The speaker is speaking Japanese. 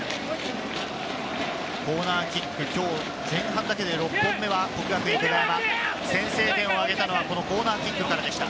コーナーキック、今日前半だけで６本目は國學院久我山、先制点を挙げたのはこのコーナーキックからでした。